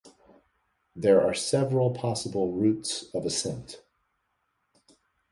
There are several possible routes of ascent.